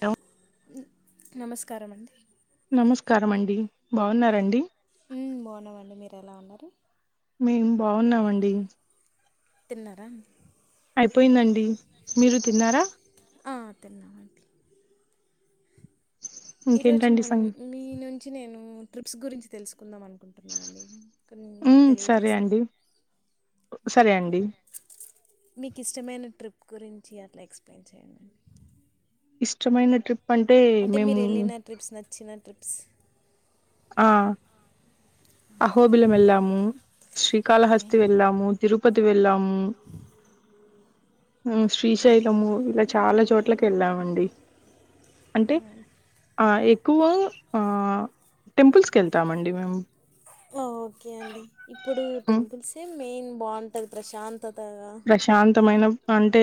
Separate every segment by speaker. Speaker 1: అ
Speaker 2: నమస్కారమండి
Speaker 1: నమస్కారం అండి బాగున్నండి
Speaker 2: ఉమ్ బాగున్నామండి మీరు ఎలా ఉన్నారు
Speaker 1: మేం బాగున్నామండి
Speaker 2: తిన్నారా అండి
Speaker 1: అయిపోయిందిండి మీరు తిన్నారా
Speaker 2: ఆ, తిన్నామండి ఈరోజు
Speaker 1: ఇంకేంటండి సం
Speaker 2: మనం మీ నుంచి నేను ట్రిప్స్ గురించి తెలుసుకుందాం అనుకుంటున్నా అండి కొన్ని
Speaker 1: ఉ సరే
Speaker 2: తెలియజేస్తారా
Speaker 1: అండి సరే అండి
Speaker 2: మీకు ఇష్టమైన ట్రిప్ గురించి అట్లా ఎక్స్ప్లెయిన్ చెయ్యండి అండి
Speaker 1: ఇష్టమైన ట్రిప్ అంటే మేము
Speaker 2: వెళ్ళిన ట్రిప్స్ నచ్చిన ట్రిప్స్
Speaker 1: ఆ అహోబిలం వెళ్ళాము
Speaker 2: ఓకే
Speaker 1: శ్రీకాళహస్తి వెళ్ళాము తిరుపతి వెళ్ళాము ఉ
Speaker 2: ఓకే
Speaker 1: శ్రీశైలము ఇలా చాలా చోట చోట్లకు వెళ్ళామండి అంటే అ ఎక్కువ అ టెంపుల్స్ కి వెళ్తామండి మేము
Speaker 2: ఓకే అండి ఇప్పుడు
Speaker 1: ఉమ్
Speaker 2: టెంపుల్సే మెయిన్ బాగుంటాంది ప్రశాంత్
Speaker 1: ప్రశాంతమైన అంటే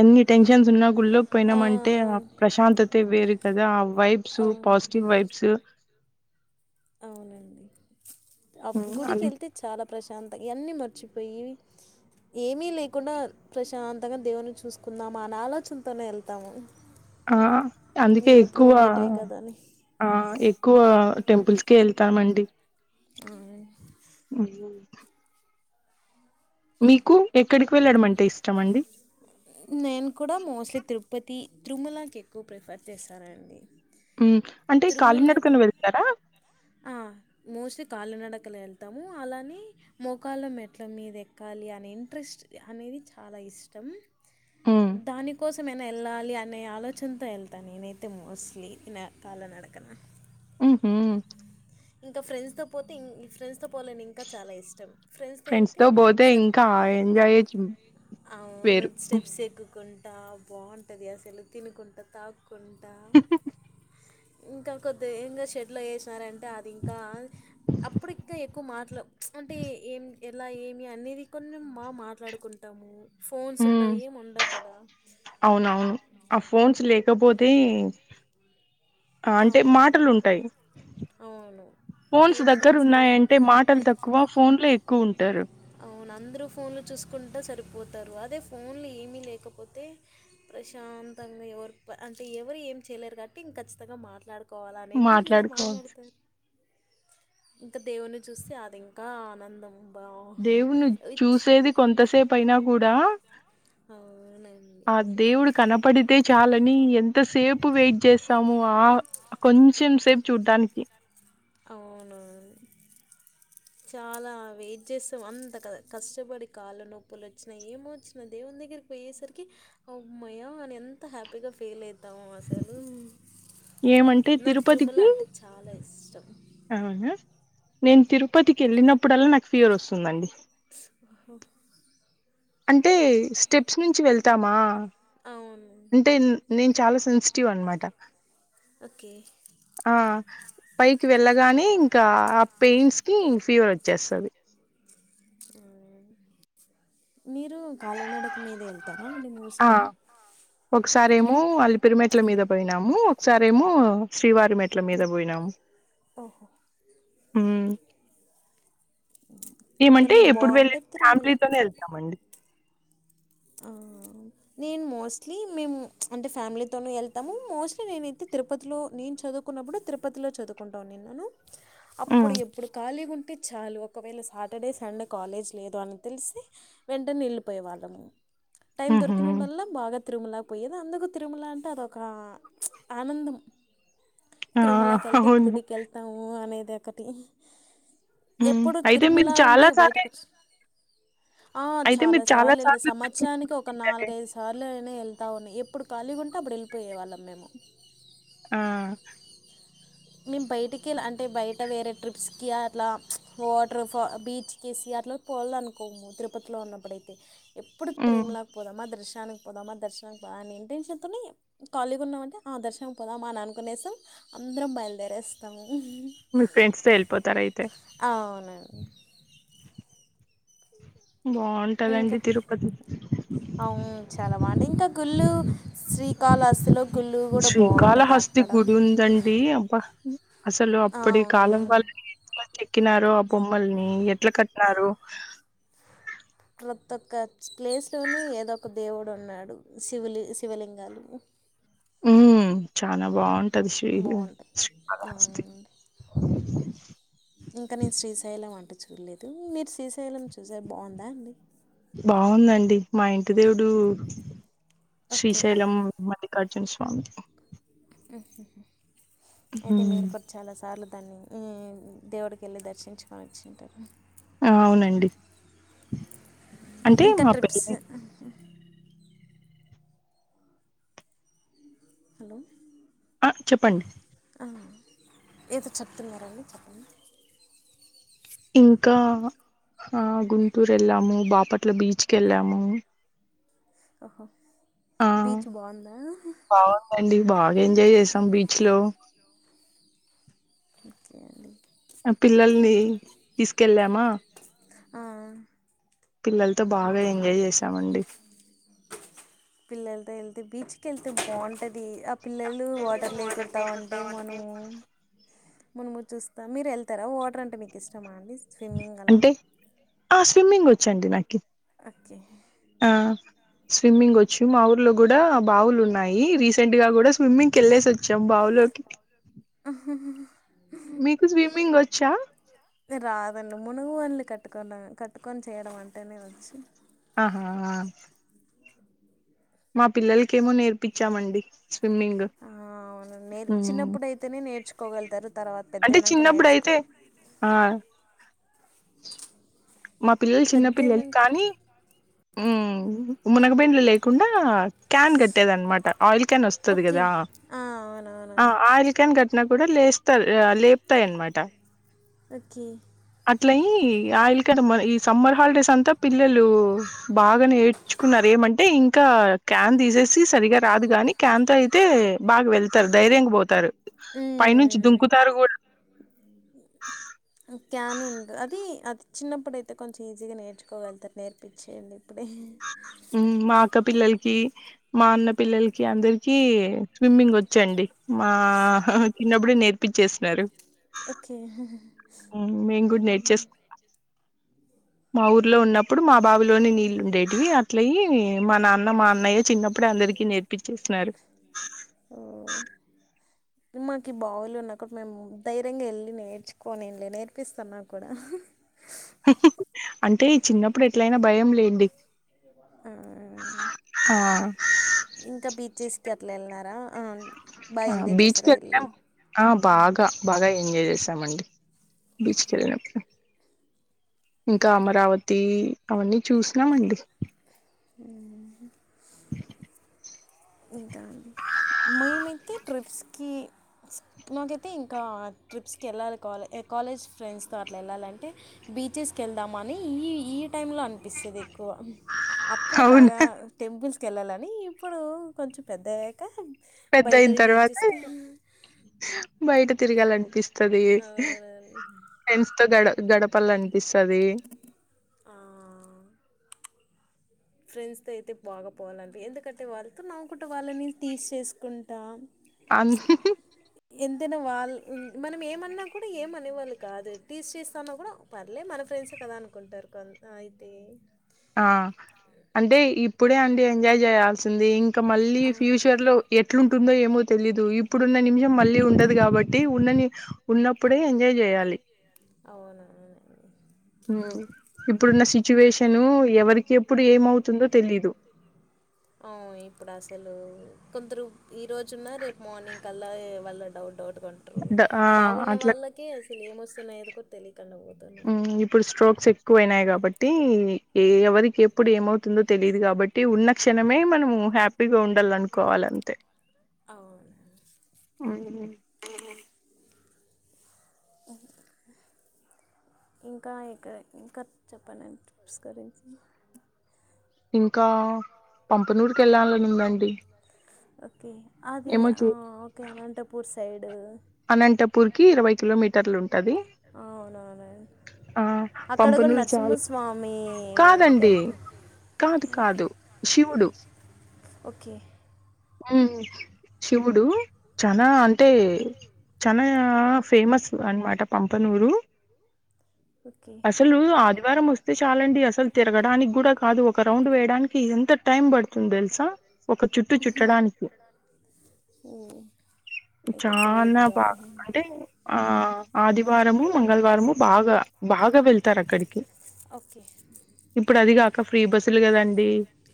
Speaker 1: ఎన్ని టెన్షన్స్ ఉన్నా గుళ్ల్లోకి
Speaker 2: ఆ,
Speaker 1: పోయినామంటే ఆ ప్రశాంతతే వేరు కదా ఆ వైబ్స్
Speaker 2: అవును
Speaker 1: పాజిటివ్ వైబ్స్
Speaker 2: అవునండి అ గుడికి
Speaker 1: అది
Speaker 2: ఎల్తే చాలా ప్రశాంత ఇవన్నీ మర్చిపోయి ఏమీ లేకుండా ప్రశాంతంగా దేవుని చూసుకుందామా అనే ఆలోచనతోనే వెళ్తాము
Speaker 1: ఆ అందుకే ఎక్కువ
Speaker 2: ఉండేటివే కదా అని.
Speaker 1: ఆ ఎక్కువ టెంపుల్స్ కే వెళ్తామండి
Speaker 2: ఆ
Speaker 1: హ్మ్. మీకు ఎక్కడికి వెళ్ళడం అంటే ఇష్టం అండి
Speaker 2: నేను కూడా మోస్ట్లీ తిరుపతి తిరుమలకి ఎక్కువ ప్రిఫర్ చేశానండి
Speaker 1: ఉమ్ అంటే కాలినడకన వెళ్తున్నారా
Speaker 2: మోస్ట్లీ కాళ్ళనడకలే వెళ్తాము అలానే మొకాళ్ళ మెట్ల మీద ఎక్కాలి అనే ఇంట్రెస్ట్ అనేది చాలా ఇష్టం దానికోసమైనా ఎళ్ళాలి అనే ఆలోచ్ చ్చుంత ఎళ్తా నేనైతే మోస్ట్లీ నా కాళ్ళ నడకన
Speaker 1: ఉమ్ హ్
Speaker 2: ఇంక ఫ్రెండ్స్తో పోతే ఇన్ ఫ్రెండ్స్తో పోలని ఇంకా చాలా ఇష్టం ఫ్రెండ్స్తో
Speaker 1: ఫ్రెండ్స్
Speaker 2: ఎళ్తే
Speaker 1: తో పోతే
Speaker 2: సత్
Speaker 1: ఇంకా ఎంజాయ్
Speaker 2: అవును
Speaker 1: వేరు
Speaker 2: స్టెప్స్ ఎక్కుకుంట్ టా బావుంటది అసలు తినుకుంటా తాక్కుంటా ఇంక కొద్దిగ ఇంగ షెడ్ ల ఏసినారంటే ఆ ఇంకా అప్పుడు ఇంక ఎక్కువ మాటలు అంటే ఏం ఎలా ఏమి అనేది కొన్ని మా మాట్లాడుకుంటము ఫోన్స్
Speaker 1: హ్మ్.
Speaker 2: ఉండవు ఏం ఉండవు కదా
Speaker 1: కపోతే ఆ అంటే మాటలు
Speaker 2: అవును
Speaker 1: ఉంటాయి
Speaker 2: అవును ఏ
Speaker 1: ఫోన్స్
Speaker 2: లేక
Speaker 1: దగ్గరున్నాయంటే మాటలు తక్కువ ఫోన్లో ఎక్కువ ఉంటారు
Speaker 2: టు ఫోన్లు చూసుకుంట సరిపోతారు అదే ఫోన్లు ఏమీ లేకపోతే ప్రశాంతంగ్ గ ఎవరు ప అంటే ఎవరు ఏం చేయలేరు గాట్టి ఇంక చ్ త్తగా మాట్లాడుకోవాలనే ఇంటెన్షన్ తో
Speaker 1: మాట్లాడుకోవాల్సి
Speaker 2: మాట్లాడతరు ఇంక దేవున్ని చూస్తే అది ఇంకా ఆనందం బా
Speaker 1: దేవున్ని
Speaker 2: విచ్
Speaker 1: చూసేది కొంతసేపు అయినా గూడ
Speaker 2: అవును
Speaker 1: ఆ దేవుడు కనపడితే చాలని ఎంతసేపు వెయిట్ చేస్తామో ఆ కొంచ్ చెం సేపు చూడ్డానికి
Speaker 2: అవునా చాలా వెయిట్ చేస్తాం అంత కద కష్టపడి కాళ్ళ నొప్పులొచ్చిన ఏమోచ్చిన న దేవుని దగ్గరికి పోయేసరికి అమ్మయా అని ఎంత హ్యాపీగా ఫీల్ అయితామో అసలు
Speaker 1: ఏమంటే
Speaker 2: నాకు తిరుమల
Speaker 1: తిరుపతికి
Speaker 2: అంటే చాలా ఇష్టం.
Speaker 1: అవునా నేను తిరుపతికి ఎళ్ళినప్పుడల్లా నాకు ఫీవర్ వస్తుందండి
Speaker 2: స్ ఒహొ
Speaker 1: అంటే స్టెప్స్ నుంచి వెళ్తామా
Speaker 2: అవును.
Speaker 1: అంటే న్ నేను చాలా సెన్సి టివ్ అన్నమాట
Speaker 2: ఓకే
Speaker 1: ఆ పైకి వెళ్ళగానే ఇంకా ఆ పెయిన్స్ కి ఫీవర్ వచ్చేస్తది
Speaker 2: మీరు కాళ్ళ నడక మీదే ఎల్
Speaker 1: ఆ ఒకసారేమో అలిపిరి మెట్ల మీద పోయినాము ఒకసారేమో శ్రీవారి మెట్ల మీద బోయినాము
Speaker 2: ఓహో
Speaker 1: ఉమ్ ఏమంటే
Speaker 2: కానీ
Speaker 1: ఎప్పుడు
Speaker 2: బావుంటది
Speaker 1: వెల్లినా
Speaker 2: తిరుమల.
Speaker 1: ఫ్యామిలీతోనే ఎళ్తామండి
Speaker 2: ఆ నేను మోస్ట్లీ మేము అంటే ఫ్యామిలీతోను ఎళ్తాము మోస్ట్లీ నేనయితే తిరుపతిలో నేను చ్ చదువుకున్నప్పుడు తిరుపతిలో చదువుకుంట ఉండినాను
Speaker 1: ఉమ్
Speaker 2: అప్పుడు ఎప్పుడు ఖాళీగుంట్ టె చాలు ఒకవేళ సాటర్డే సండే కాలేజ్ లేదు అని తెలిస్తే వెంటనే ఎళ్ళిపోయే వాళ్ళము టైమ్
Speaker 1: ఉహు
Speaker 2: దొరికినప్పుడ ల్ల బాగ తిరుమల పోయేది అందుకు తిరుమల అంటే అదొక చ్ ఆనందం
Speaker 1: ఆ
Speaker 2: తిరుమలకి వెళ్తే
Speaker 1: అవును
Speaker 2: గుడికి వెళ్తాము అనేది ఒకటి
Speaker 1: హ్మ్.
Speaker 2: ఎప్పుడు
Speaker 1: అయితే
Speaker 2: తిరుమల
Speaker 1: మీరు చాలా
Speaker 2: నుండి బయటకు
Speaker 1: సార్లే
Speaker 2: వచ్చ ఆ చాలా సార్లు వెళ్ళ సంవత్సరానికి ఒక
Speaker 1: తింటారే
Speaker 2: నాలుగైదు సార్లు అయినా వెళ్ళ వున్నా ఎప్పుడు ఖాళీ గా ఉంటే అప్పుడు వెళ్ళిపోయేవాళ్ళం మేము
Speaker 1: ఉం
Speaker 2: మేము బయటికి ఇల అంటే బయట వేరే ట్రిప్స్కి అట్లా చ్ వాటర్ ఫా బీచ్కి సి పో [unintelligible] అనుకోము తిరుపతిలో ఉన్నప్పుడుయితే ఎప్పుడు
Speaker 1: ఉమ్
Speaker 2: తిరిలాకపోదాం మా దశ దర్శానికి పోదామా దర్శనానికి పా అని ఇంటెషన్తో ఖాళీగా ఉన్నామంటే ఆ దర్శననికి పోదామా అని అనుకునేసాం అందరం బయలుదేరేస్తాము
Speaker 1: మీ ఫ్రెండ్స్ తో వెళ్ళిపోతార అయితే
Speaker 2: అవునండి. ఇంకా
Speaker 1: బాగుంటదండి తిరుపతి
Speaker 2: అవు చాలా బాగుంటా ఇంకా గుళ్ళు శ్రీ కాళస్తిలో గుళ్ళు కూడా బాగుంటుంది
Speaker 1: శ్రీకాళహస్తి
Speaker 2: అక్కడ
Speaker 1: గుడి ఉందండి అబ్బా అసలు అప్పడు ఈ కాలం
Speaker 2: అవును
Speaker 1: వాళ్ళు ఎక్కినారు ఆ బొమ్మల్ని ఎట్లా కట్టినారు
Speaker 2: ప్రతి ఒక్క ప్లేస్లోనే ఏదో ఒక దేవుడు ఉన్నాడు శివులి శివలింగాలు
Speaker 1: ఉం చాల బాగుంటది శ్రీ
Speaker 2: బాగుంటాయి
Speaker 1: శ్రీ కాళహస్తి
Speaker 2: అవును ఇంకా నేను శ్రీశైలం అంటే చూడలేదు మీరు శ్రీశైలం చూసార బాగుందా అండి
Speaker 1: బాగుందండి మా ఇంటి దేవుడు
Speaker 2: ఓకే
Speaker 1: శ్రీశైలం మళ ఖర్జున స్వామి
Speaker 2: హు హమ్ అయితే
Speaker 1: హ్మ్
Speaker 2: మీరు కూడా చాలా సార్లు దాన్ని ఉం దేవుడికి వెళ్ళి దర్శించుకొని వచ్చింటారు
Speaker 1: ఆ అవునండి అంటే
Speaker 2: ఇంకా
Speaker 1: మా
Speaker 2: ట్రిప్స్
Speaker 1: పెళ్ళై
Speaker 2: హలో
Speaker 1: ఆ చెప్పండి
Speaker 2: ఆ ఏదో చెప్తున్నారండి చెప్పండి
Speaker 1: ఇంకా ఆ గుంటూరు వెళ్ళాము బాపట్ల బీచ్ కి వెళ్ళాము
Speaker 2: ఓహో
Speaker 1: ఆ
Speaker 2: బీచ్ బాగుందా
Speaker 1: బాగుందండి బాగా ఎంజాయ్ చేసాం బీచ్ లో
Speaker 2: ఓకే అండి
Speaker 1: ఆ పిల్లల్ని తీసుకెళ్ళామా
Speaker 2: ఆ
Speaker 1: పిల్లలతో బాగా ఎంజాయ్ చేసామండి
Speaker 2: పిల్లలతో వెళ్తే బీచ్కి వెళ్తే బాగుంటది అది ఆ పిల్లలు వాటర్ లే కుంటా ఉంటే మనము మునుము చూస్తా మీరు వెళ్తారా వాటర్ అంటే మీకు ఇష్టమా అండి స్విమ్మింగ్ అలా
Speaker 1: అంటే ఆ స్విమ్మింగ్ వచ్చండి నాకి
Speaker 2: ఓకే
Speaker 1: ఆ స్విమ్మింగ్ వచ్చు మా ఊర్లో కూడా బావులు ఉన్నాయి రీసెంట్ గా కూడా స్విమ్మింగ్కికేల్లేసి వచ్చాం బావు లోకి
Speaker 2: ఆహా హా
Speaker 1: మీకు స్విమ్మింగ్ వచ్చా
Speaker 2: రాదండి మునుగు వనులు కట్టుకని కట్టుకొని చేయడం అంటేనే వచ్చు
Speaker 1: ఆహా హా మా పిల్లలకేమో నేర్పించామండి స్విమ్మింగు
Speaker 2: అవున నేర్ చిన్నప్పుడైతేనే నేర్చుకోగలుతారు తర్వాత
Speaker 1: అంటే
Speaker 2: పెద్దైంనక
Speaker 1: చిన్నప్పుడు
Speaker 2: నేర్చుకో
Speaker 1: అయితే ఆ మా పిల్లొల్లు
Speaker 2: పెద్ద
Speaker 1: చిన్నపిల్లలు
Speaker 2: అయినాక
Speaker 1: కానీ ఊ మునగబెండ్లు లేకుండా క్యాన్ గట్టేదనమాట ఆయిల్ క్యానొస్తది
Speaker 2: ఓకే
Speaker 1: గదా
Speaker 2: ఆ,
Speaker 1: ఆ
Speaker 2: అవునవునండి
Speaker 1: ఆయిల్ క్యాన్ కట్న కుడా లేస్తాది ఆ లేప్త్తాయ్ అన్నమాట
Speaker 2: ఒకే
Speaker 1: అట్లయ్యి ఆయిల్ ఇక్కడ మన ఈ సమ్మర్ హాలిడేసంతా పిల్లలు బాగా నేర్చుకున్నారు ఏమంటే ఇంకా క్యాన్ దీసేసి సరిగా రాదు గాని క్యాన్ తో అయితే బాగ వెళ్తారు ధైర్యంగ బోతారు పై నుంచి దుంకుతారు గూడా
Speaker 2: ఆ క్యానుంద అది అద్ చిన్నప్పుడైతే కొంచీజిగా నేర్చుకోగలుగుతారు నేర్పించేయండి ఇప్పుడే
Speaker 1: ఉమ్ మాఅక్క పిల్లల్ కి మా అన్న పిల్లల్కి అందరికీ స్విమ్మింగొచ్చండి మా చిన్నబ్బుడే నేర్పిచ్చేస్న్నారు
Speaker 2: ఒకే
Speaker 1: ఊ మేమ్ గూడా నేర్చెస్కున్నాం మా ఊర్లో ఉన్నప్పుడు మా బావిలోని నీళ్ళుండేటివి అట్లయ్యి మా నాన్న మా అన్నయ్య చిన్నప్పుడే అందరికి నేర్పిచ్చేస్నారు
Speaker 2: మాకి బావులున్న కుడా మేము ధైర్యంగ ఎళ్ళి నేర్చుకోనిండ్లే నేర్పిస్తన్నా కుడా
Speaker 1: అంటే చిన్నప్పుడెట్లైనా భయం లేండి
Speaker 2: ఆ
Speaker 1: ఆ
Speaker 2: ఇంకా బీచ్చెస్కి అట్లా ఎళ్నారా
Speaker 1: ఆ బీచ్ కెళ్నాం ఆ బాగా బాగా ఎంజాయ్ జేస్ సామ్ అండి బీచ్కెళ్ళినప్పుడు ఇంకా అమరావతి అవన్నీ చూస్నామండి
Speaker 2: అ ఇంకా మేమైతే ట్రిప్స్ కి నాకైతే ఇంకా ట్రిప్స్ కి ఎళ్ళాలి కాలే ఎ కాలేజ్ ఫ్రెండ్స్ తో అట్లా ఎళ్ళాలంటే బీచెస్కెళ్దామని ఈ ఈ టైమ్ లో అన్పిస్తదిక్ క్కువ అప్పుడు
Speaker 1: అవును
Speaker 2: బాగా టెంపుల్స్ కెళ్ళాలని ఇప్పుడు కొంచెం పెద్దగయ్యాక
Speaker 1: పెద్ద అయిన
Speaker 2: బయటది
Speaker 1: తర్వాత
Speaker 2: బీచెస్కి
Speaker 1: బయట తిరగాలనిపిస్తది ఫ్రెండ్స్ తో గడ గడపల్లనిపిస్తది
Speaker 2: ఫ్రెండ్స్ తో ఐతే బాగా పోవల్లని ఎందుకంటే వాళ్ళ్తో నవ్వుకుంట వాళ్ళని తీస్ చేేసుకుంటా
Speaker 1: అన్
Speaker 2: ఎంతైనా వాళ్ళ్ మనం ఏమన్నా కుడా ఏమనేవాళ్ళు కాదు టీస్ చేస్తాన్నా కుడా పర్లే మన ఫ్రె ఫ్రెండ్స్ కదా అనుకుంటారు కొంత అయితే
Speaker 1: ఆ
Speaker 2: ఆ
Speaker 1: అంటే ఇప్పుడే అండి ఎంజాయ్ జేయాల్సింది ఇంక మళ్ళీ
Speaker 2: అవును.
Speaker 1: ఫ్యూచర్ లో ఎట్లుంటుందో ఏమో తెలీ దు ఇప్పుడున్న నిమిషం మళ్ళీ ఉండదు గాబట్టి ఉన్నన్ని ఉన్నప్పుడే ఎంజాయ్ జేయాలి
Speaker 2: అవును అవును
Speaker 1: ఉమ్.
Speaker 2: ఇప్పుడున్న సిచ్యువేషన్ ఎవరికి ఎప్పుడు ఏమవుతుందో తెలియదు అవ్ ఇప్పుడు అసలు కొందరు ఈ రోజు ఉన్నా రేపు మార్నింగ్ కల్లా వాళ్ళ డౌట్ డౌట్ గుంట్రు
Speaker 1: ద ఆ
Speaker 2: బాగున్న
Speaker 1: అట్లా
Speaker 2: వాళ్ళకి అసలు ఎంవస్తున్నాయి కూడా తెలి
Speaker 1: ఇప్పుడు స్ట్రోక్స్ ఎక్కువయినాయి కాబట్టి ఏ ఎవరికి కి ఎప్పుడు ఏమవుతుందో తెలీదు కాబట్టి ఉన్న క్షణమే మనం హ్యాపీగా ఉండాలి అను కోవాలంతే
Speaker 2: అవునండి.
Speaker 1: మ్మ్
Speaker 2: మ్మ్ ఇంకా ఇక్కడ ఇంకా చెప్పండి [unintelligible]
Speaker 1: ఇంకా పంపనూరికి వెళ్ళాలనుదండి
Speaker 2: ఓకే అది ఆ ఓకే అనంటపూర్ సైడు
Speaker 1: అనంతపూర్ కి ఇరవై కిలోమీటర్లు ఉంటది
Speaker 2: అవునవును
Speaker 1: ఆ
Speaker 2: అక్కడ కూడా
Speaker 1: పంపనూరు చాలా
Speaker 2: నరసింహస్వామి
Speaker 1: కాదండి
Speaker 2: టెంపుల్
Speaker 1: కాదు
Speaker 2: అవునండి,
Speaker 1: కాదు శివుడు
Speaker 2: ఓకే
Speaker 1: మ్మ్ శివుడు చానా అంటే చన ఫేమస్ అన్నమాట పంపనూరు
Speaker 2: ఓకే
Speaker 1: అసలు ఆదివారం వస్తే చాలండి అసలు తిరగడానికి కూడా కాదు ఒక రౌండ్ వేయడానికి ఎంత టైం పడుతుంది తెలుసా ఒక చుట్టు చుట్టడానికి
Speaker 2: ఓ, అయితే గ్రేట్
Speaker 1: చానా
Speaker 2: దా
Speaker 1: బాగా అంటే ఆ ఆదివారము మంగళవారము బాగా బాగా వెళ్ తారు అక్కడికి
Speaker 2: ఓకే
Speaker 1: ఇప్పుడు అది కాక ఫ్రీ బస్సులు కదండి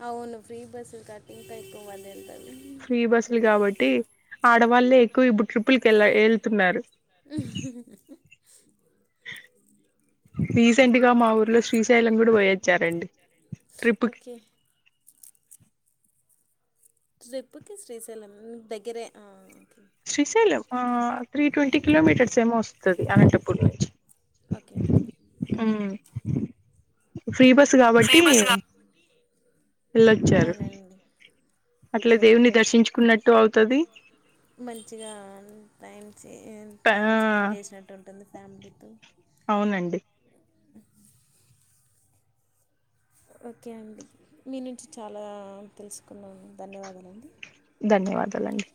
Speaker 2: అవును ఫ్రీ బస్సులు కడ్డితో ఏక్
Speaker 1: ఫ్రీ బస్సులు కాబట్టి ఆడవాళ్ళే ఎక్కువ ఇప్ ట్రిపుల్ కెళ్లా ఏళ్తున్నారు ఫీస్ సెంట్ గా మా ఊర్లో శ్రీశైలం కూడా పోయిచ్చారండి ట్రిప్కి
Speaker 2: ఓకే ట్రిప్పుకి శ్రీశైలం దగ్గరే ఆ
Speaker 1: శ్రీశైలం ఆ త్రీ ట్వంటీ కిలోమీటర్స్ ర్స్ ఏమో వస్తది అనంటపూర్ నుంచి
Speaker 2: ఓకే ఓకే
Speaker 1: ఫ్రీ బస్ కాబట్టి వెళ్ళొచ్చారు
Speaker 2: అవునండి
Speaker 1: అట్ల దేవుని దర్శించుకున్నట్టు అవుతది
Speaker 2: మంచిగా టైం సే
Speaker 1: ఆ
Speaker 2: టైం స్పెండ్ చేసినట్టు ఉంటుంది ఫ్యామిలీతో
Speaker 1: అవునండి
Speaker 2: ఓకే అండి మీ నుంచి చాలా తెలుసుకున్నాను ధన్యవాదాలండి
Speaker 1: ధన్యవాదాలండి